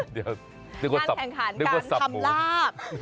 การแข่งขันการทำลาบ